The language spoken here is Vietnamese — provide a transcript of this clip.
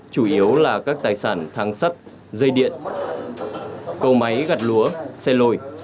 chủ yếu là các tài sản thang sắt dây điện cầu máy gặt lúa xe lồi